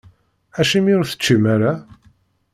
Acimi ur teččim ara?